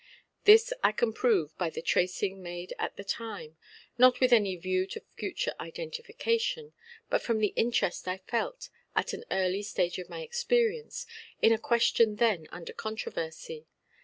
This I can prove by the tracing made at the time, not with any view to future identification, but from the interest I felt, at an early stage of my experience, in a question then under controversy.